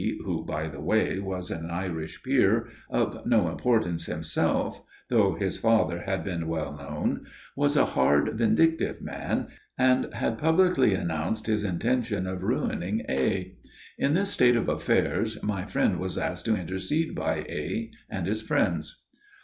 who, by the way, was an Irish peer, of no importance himself, though his father had been well known, was a hard, vindictive man, and had publicly announced his intention of ruining A. In this state of affairs my friend was asked to intercede by A. and his friends.